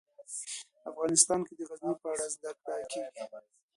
افغانستان کې د غزني په اړه زده کړه کېږي.